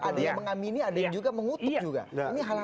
ada yang mengamini ada yang juga mengutuk juga